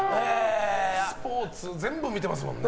スポーツ全部見てますもんね。